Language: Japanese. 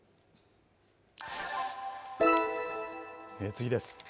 次です。